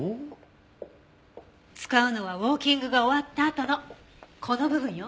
使うのはウォーキングが終わったあとのこの部分よ。